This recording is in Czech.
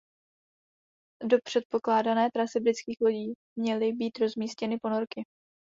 Do předpokládané trasy britských lodí měly být rozmístěny ponorky.